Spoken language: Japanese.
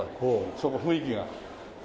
そこ雰囲気が。